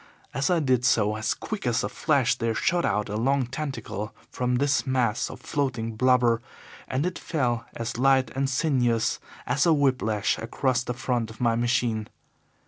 As I did so, as quick as a flash there shot out a long tentacle from this mass of floating blubber, and it fell as light and sinuous as a whip lash across the front of my machine.